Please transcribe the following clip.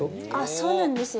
そうなんですよ。